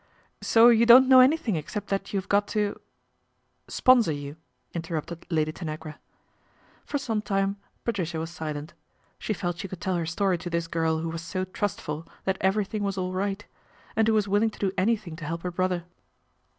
" So you don't know anything except that you have got to "" Sponsor you," interrupted Lady Tanagra. For some time Patricia was silent. She felt she could tell her story to this girl who was so trustful that everything was all right, and who was willing to do anything to help her brother.